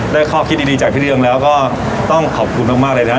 และขอบคุณดีจากพี่เรียงแล้วก็ต้องขอบคุณมากเลยนะฮะ